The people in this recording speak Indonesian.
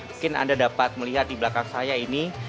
mungkin anda dapat melihat di belakang saya ini